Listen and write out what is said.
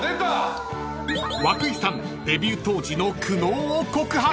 ［和久井さんデビュー当時の苦悩を告白］